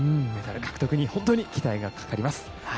メダル獲得に本当に期待が高まります。